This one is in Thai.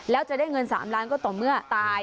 แล้วจะได้เงิน๓ล้านก็ต่อเมื่อตาย